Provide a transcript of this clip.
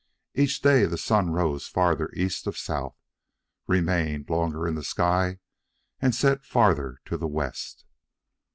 Each day the sun rose farther east of south, remained longer in the sky, and set farther to the west.